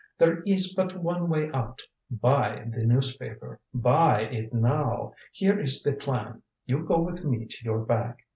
There is but one way out. Buy the newspaper. Buy it now. Here is the plan you go with me to your bank.